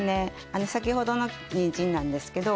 あの先ほどのにんじんなんですけど。